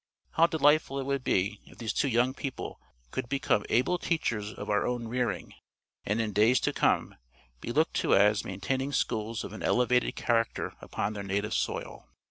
How delightful it would be if these two young people could become able teachers of our own rearing, and in days to come, be looked to as maintaining schools of an elevated character upon their native soil!